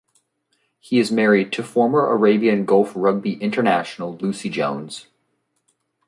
He is married to former Arabian Gulf rugby international Lucy Jones.